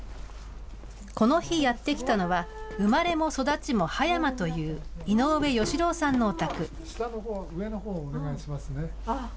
この日やって来たのは、生まれも育ちも葉山という井上義郎さんのお宅。